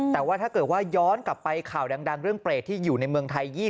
แต่ว่าถ้าเกิดว่าย้อนกลับไปข่าวดังเรื่องเปรตที่อยู่ในเมืองไทย